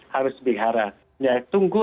harus diharap ya tunggu